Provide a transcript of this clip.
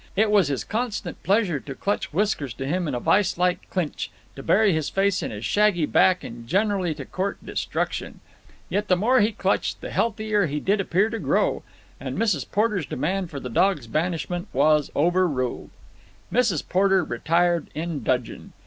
It was his constant pleasure to clutch Whiskers to him in a vice like clinch, to bury his face in his shaggy back, and generally to court destruction. Yet the more he clutched, the healthier did he appear to grow, and Mrs. Porter's demand for the dog's banishment was overruled. Mrs. Porter retired in dudgeon.